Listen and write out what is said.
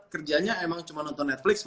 kerjanya emang cuma nonton netflix